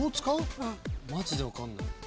マジで分かんない。